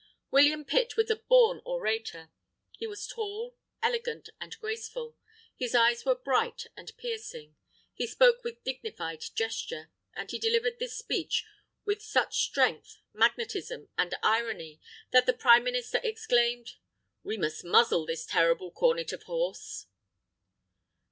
William Pitt was a born orator. He was tall, elegant, and graceful. His eyes were bright and piercing. He spoke with dignified gesture. And he delivered this speech with such strength, magnetism, and irony, that the Prime Minister exclaimed, "We must muzzle this terrible Cornet of Horse!"